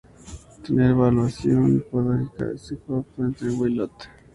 Una evaluación psicológica puede tener como resultado un diagnóstico de una enfermedad mental.